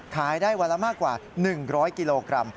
ขายได้วันละมากกว่า๑๐๐กิโลกรัม